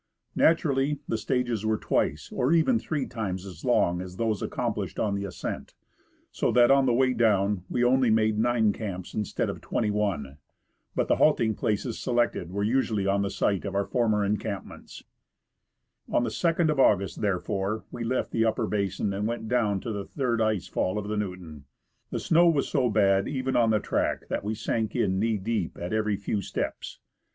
Naturally, the stages were twice or even three times as long as those accomplished on the ascent ; so that on the way down we only 162 H U < Pi I w CO w I— ) H o CO O o n RETURN FROM MOUNT ST. ELI AS TO YAKUTAT made nine camps instead of twenty one. But the halting places selected were usually on the site of our former encampments. On the 2nd of August, therefore, we left the upper basin and went down to the third ice fall of the Newton. The snow was so bad even on the track that we sank in knee deep at every few steps.